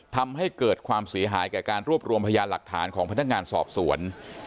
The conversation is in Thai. ทำให้เกิดความเสียหายแก่การรวบรวมพยานหลักฐานของพนักงานสอบสวน